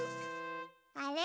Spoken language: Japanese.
あれ？